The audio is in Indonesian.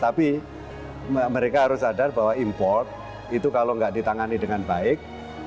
tapi mereka harus sadar bahwa import itu kalau nggak ditangani dengan baik